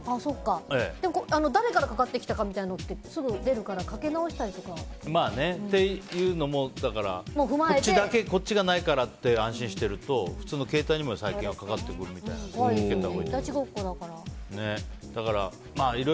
誰からかかってきたかみたいなのってすぐに出るからっていうのもこっちがないからって安心してると普通の携帯にも最近はかかってくるみたいなんで気を付けたほうがいい。